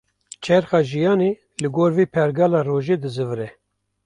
Çerxa jiyanê, li gor vê pergala rojê dizîvire